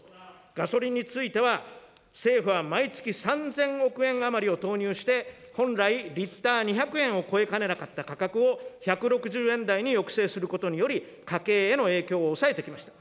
ガソリンについては、政府は毎月３０００億円余りを投入して、本来、リッター２００円を超えかねなかった価格を１６０円台に抑制することにより、家計への影響を抑えてきました。